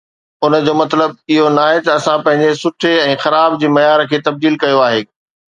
ان جو مطلب اهو ناهي ته اسان پنهنجي سٺي ۽ خراب جي معيار کي تبديل ڪيو آهي.